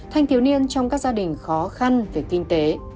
thanh thiếu niên trong các gia đình khó khăn về kinh tế